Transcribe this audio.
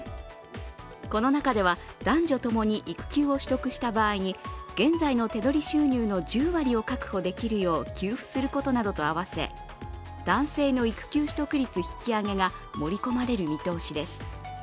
この中では、男女ともに育休を取得した場合に現在の手取り収入の１０割を確保できるよう給付することなどと合わせ、男性の育休取得率引き上げが盛り込まれる見通しです。